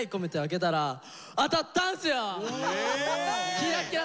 キラキラ。